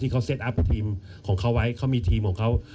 เขาเซ็ตอัพทีมของเขาไว้เขามีทีมของเขา